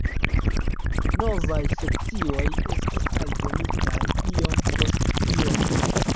Novaj sekcioj estis aldonitaj iom post iom.